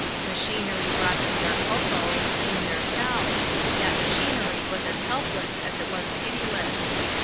Machinery brought them their cocoa and cleaned their cells; that machinery was as helpless as it was pitiless.